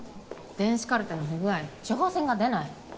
電子カルテの不具合処方箋が出ない。